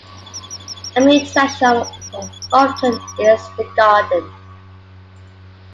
A main attraction of Upton is the garden.